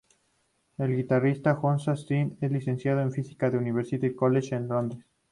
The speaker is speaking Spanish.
El guitarrista Joshua Third es licenciado en física del University College de Londres.